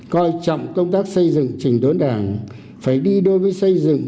coi trọng công tác xây dựng trình tuấn đảng phải đi đối với xây dựng